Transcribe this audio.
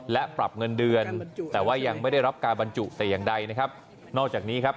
และปรับเงินเดือนแต่ว่ายังไม่ได้รับการบรรจุแต่อย่างใดนะครับนอกจากนี้ครับ